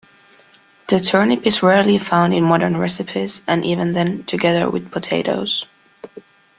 The turnip is rarely found in modern recipes, and even then, together with potatoes.